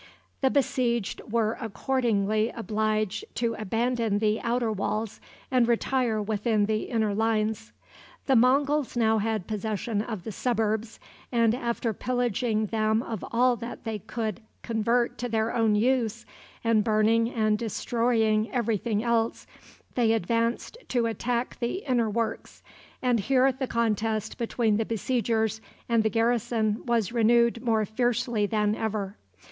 The besieged were accordingly obliged to abandon the outer walls and retire within the inner lines. The Monguls now had possession of the suburbs, and, after pillaging them of all that they could convert to their own use, and burning and destroying every thing else, they advanced to attack the inner works; and here the contest between the besiegers and the garrison was renewed more fiercely than ever.